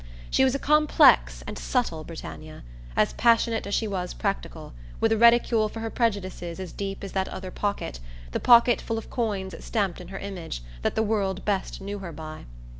She was a complex and subtle Britannia, as passionate as she was practical, with a reticule for her prejudices as deep as that other pocket, the pocket full of coins stamped in her image, that the world best knew her by.